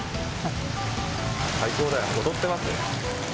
最高だよ、踊ってますよ。